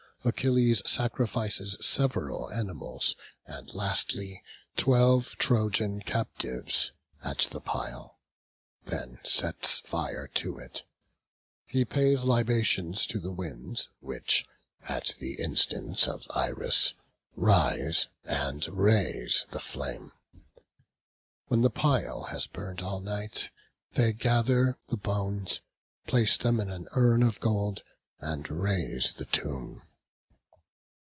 Achilles sacrifices several animals, and lastly, twelve Trojan captives, at the pile; then sets fire to it. He pays libations to the winds, which (at the instance of Iris) rise, and raise the flame. When the pile has burned all night, they gather the bones, place them in an urn of gold, and raise the tomb.